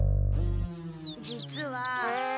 実は。